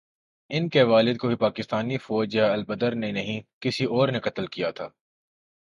ان کے والد کو بھی پاکستانی فوج یا البدر نے نہیں، کسی اور نے قتل کیا تھا۔